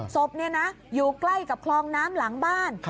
ศพอยู่ใกล้กับคลองน้ำหลังบ้าน